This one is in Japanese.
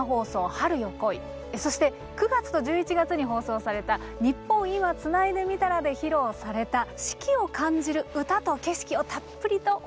そして９月と１１月に放送された「ニッポン『今』つないでみたら」で披露された四季を感じる歌と景色をたっぷりとお届けします。